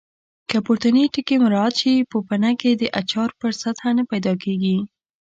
که پورتني ټکي مراعات شي پوپنکې د اچار پر سطحه نه پیدا کېږي.